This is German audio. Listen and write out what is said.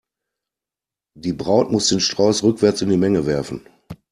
Die Braut muss den Strauß rückwärts in die Menge werfen.